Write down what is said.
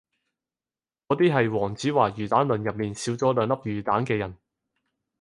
嗰啲係黃子華魚蛋論入面少咗兩粒魚蛋嘅人